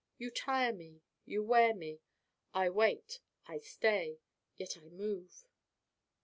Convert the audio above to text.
You tire me you wear me. I wait. I stay. Yet I move.